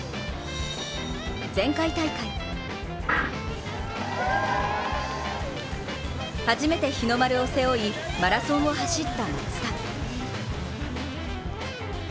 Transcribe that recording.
前回大会初めて日の丸を背負い、マラソンを走った松田。